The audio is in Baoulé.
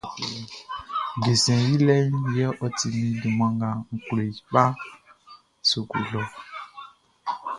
Desɛn yilɛʼn yɛ ɔ ti min junman nga n klo i kpa suklu lɔʼn niɔn.